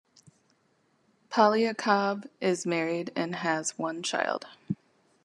Polyakov is married and has one child.